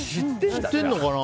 知ってるのかな。